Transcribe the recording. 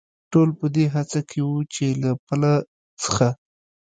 ټول په دې هڅه کې و، چې له پله څخه.